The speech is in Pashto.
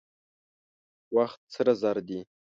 وخت سره زر دي.